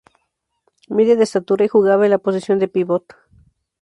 Mide de estatura y jugaba en la posición de pívot.